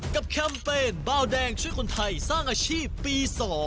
แคมเปญเบาแดงช่วยคนไทยสร้างอาชีพปี๒